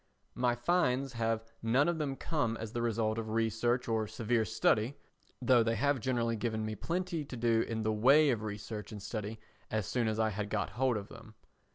My finds have none of them come as the result of research or severe study, though they have generally given me plenty to do in the way of research and study as soon as I had got hold of them.